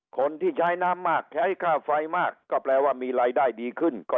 คนที่ใช้น้ำมากใช้ค่าไฟมากก็แปลว่ามีรายได้ดีขึ้นก็